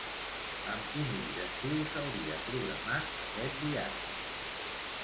Amb quin objectiu s'hauria programat aquest viatge?